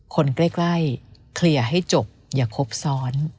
คนใกล้เคลียร์ให้จบอย่าครบซ้อน